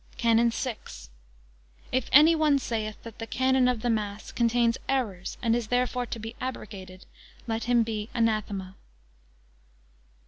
CANON VI. If any one saith, that the canon of the mass contains errors, and is therefore to be abrogated; let him be anathema.